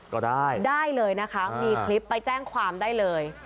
ก็ได้ได้เลยนะคะมีคลิปไปแจ้งความได้เลย